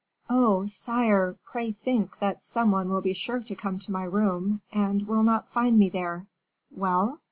"Oh! sire, pray think that some one will be sure to come to my room, and will not find me there." "Well?"